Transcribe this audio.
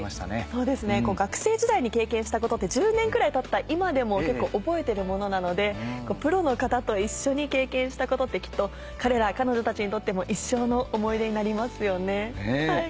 そうですね学生時代に経験したことって１０年ぐらいたった今でも結構覚えてるものなのでプロの方と一緒に経験したことってきっと彼ら彼女たちにとっても一生の思い出になりますよね。